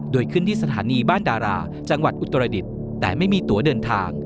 โดยขึ้นที่สถานีบ้านดาราจังหวัดอุตรดิษฐ์แต่ไม่มีตัวเดินทาง